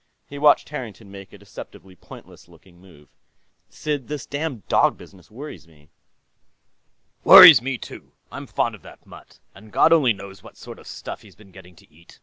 He watched Harrington make a deceptively pointless looking move. "Sid, this damn dog business worries me." "Worries me, too. I'm fond of that mutt, and God only knows what sort of stuff he's been getting to eat.